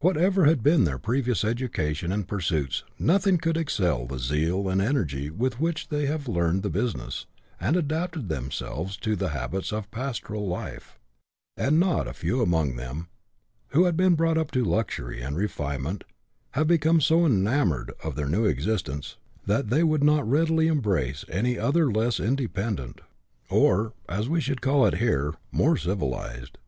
Whatever had been their previous education and pursuits, nothing could exceed the zeal and energy with which they have learned the business, and adapted themselves to the habits of pastoral life ; and not a few among them, who had been brought up to luxury and refinement, have become so enamoured of their new existence, that they would not readily embrace any other less independent, or, as we should call it here, more civilized.